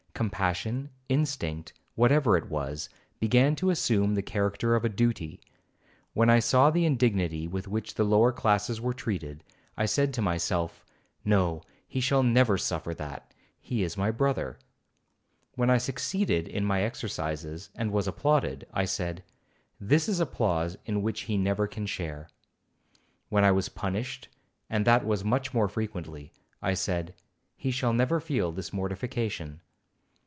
Compassion, instinct, whatever it was, began to assume the character of a duty. When I saw the indignity with which the lower classes were treated, I said to myself, 'No, he shall never suffer that,—he is my brother.' When I succeeded in my exercises, and was applauded, I said, 'This is applause in which he never can share.' When I was punished, and that was much more frequently, I said, 'He shall never feel this mortification.'